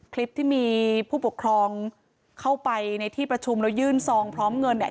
คลิปที่มีผู้ปกครองเข้าไปในที่ประชุมแล้วยื่นซองพร้อมเงินเนี่ย